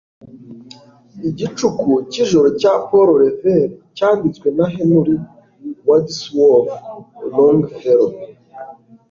Igicuku Cyijoro cya Paul Revere cyanditswe na Henry Wadsworth Longfellow